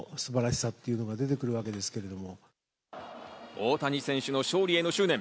大谷選手の勝利への執念。